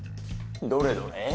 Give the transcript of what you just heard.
どれどれ？